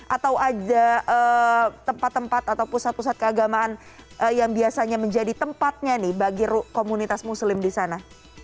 atau ada tempat tempat atau pusat pusat keagamaan yang biasanya menjadi tempatnya nih bagi komunitas muslim di sana